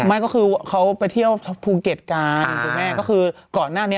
ไม่ก็คือเขาไปเที่ยวภูเก็ตกันคุณแม่ก็คือก่อนหน้านี้